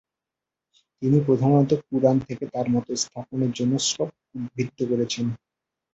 তিনি প্রধানত পুরাণ থেকে তাঁর মত-স্থাপনের জন্য শ্লোক উদ্ধৃত করেছেন।